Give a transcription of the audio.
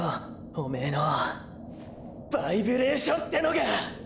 おめェのバイブレーションってのが！！